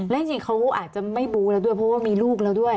และจริงเขาอาจจะไม่บูแล้วด้วยเพราะว่ามีลูกแล้วด้วย